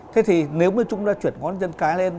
thế thì nếu như chúng ta chuyển ngón chân cái lên